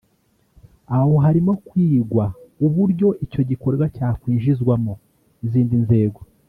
aho harimo kwigwa uburyo icyo gikorwa cyakwinjizwamo n’izindi nzego